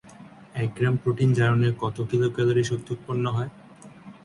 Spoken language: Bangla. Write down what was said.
এক গ্রাম প্রোটিন জারণে কত কিলোক্যালোরি শক্তি উৎপন্ন হয়?